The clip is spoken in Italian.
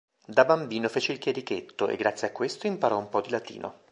Da bambino fece il chierichetto e grazie a questo imparò un po' di latino.